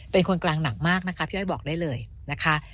เป็นคนกลางหนักมากนะคะพี่อ้อยบอกได้เลยนะคะ